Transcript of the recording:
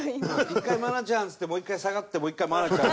１回「愛菜ちゃん」っつってもう１回下がってもう１回「愛菜ちゃん」。